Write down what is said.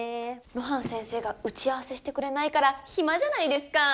露伴先生が打ち合わせしてくれないからヒマじゃないですかー。